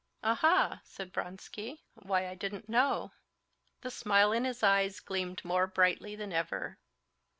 "Aha!" said Vronsky, "why, I didn't know." The smile in his eyes gleamed more brightly than ever.